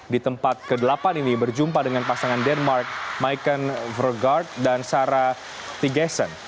di tempat ke delapan ini berjumpa dengan pasangan denmark maiken vergaert dan sarah tigesen